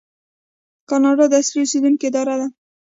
کاناډا د اصلي اوسیدونکو اداره لري.